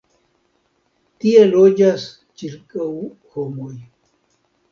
Tie loĝas ĉirkaŭ homoj.